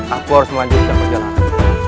aku harus melanjutkan perjalanan